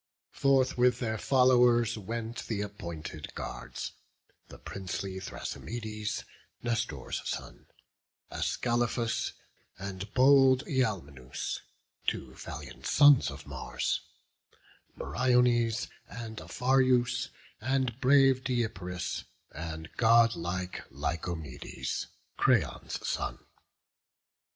Forth with their followers went th' appointed guards, The princely Thrasymedes, Nestor's son, Ascalaphus, and bold Ialmenus, Two valiant sons of Mars; Meriones, And Aphareus, and brave Deipyrus, And godlike Lycomedes, Creon's son.